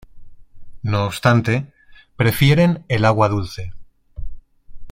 No obstante, prefieren el agua dulce.